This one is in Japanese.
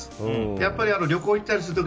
やっぱり旅行に行ったりする時